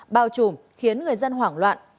bao trùm khiến người dân hoảng loạn